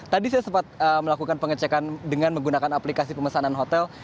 tadi saya sempat melakukan pengecekan dengan menggunakan aplikasi pemesanan hotel